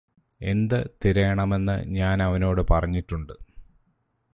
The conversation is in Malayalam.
എന്ത് തിരയണമെന്ന് ഞാനവനോട് പറഞ്ഞിട്ടുണ്ട്